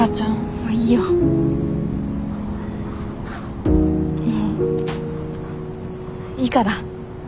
もういいから。